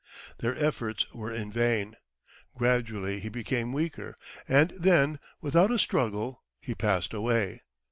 Their efforts were in vain. Gradually he became weaker, and then without a struggle he passed away.